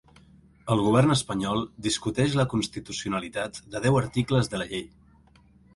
El govern espanyol discuteix la constitucionalitat de deu articles de la llei.